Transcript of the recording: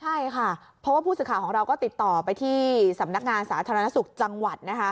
ใช่ค่ะเพราะว่าผู้สื่อข่าวของเราก็ติดต่อไปที่สำนักงานสาธารณสุขจังหวัดนะคะ